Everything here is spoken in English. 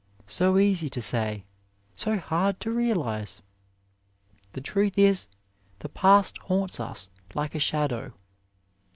So easy to say, so hard to realize! The truth is, the past haunts us like a shadow.